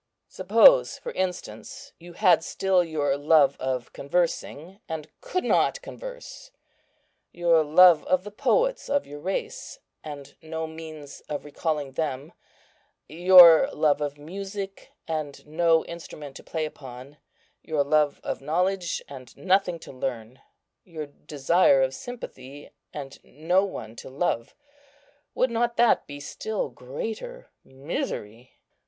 "Suppose, for instance, you had still your love of conversing, and could not converse; your love of the poets of your race, and no means of recalling them; your love of music, and no instrument to play upon; your love of knowledge, and nothing to learn; your desire of sympathy, and no one to love: would not that be still greater misery?